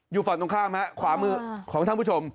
อยู่ฝั่งตรงข้ามฮะขวามือของท่านผู้ชม